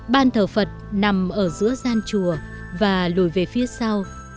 ban thờ phật nằm ở giữa gian chùa và lùi về phía sau